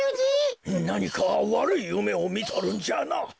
なにかわるいゆめをみとるんじゃな。